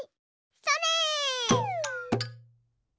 それ！